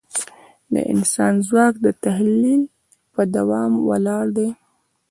د انسان ځواک د تخیل په دوام ولاړ دی.